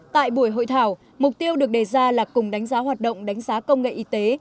tại buổi hội thảo mục tiêu được đề ra là cùng đánh giá hoạt động đánh giá công nghệ y tế